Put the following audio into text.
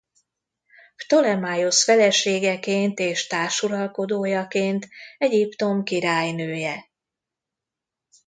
Ptolemaiosz feleségeként és társuralkodójaként Egyiptom királynője.